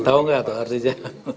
tau nggak tuh artinya